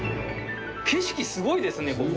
景色すごいですねここ。